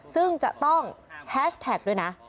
ซึ่งจะต้องแฮชแท็กด้วยนะ